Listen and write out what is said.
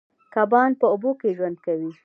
کبان په اوبو کې ژوند کوي